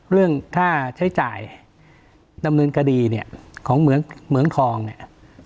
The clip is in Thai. เรื่องค่าใช้จ่ายดำเนินคดีเนี่ยของเหมืองทองเนี่ย